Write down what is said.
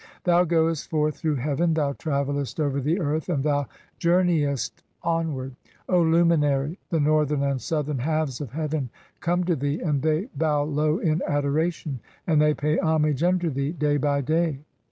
Thou goest forth through heaven, thou travellest "over the earth, and thou journeyest onward. O Luminarv, "the northern and southern halves of heaven come to thee and "they bow low in adoration, (8) and they pay homage unto thee, "day by day.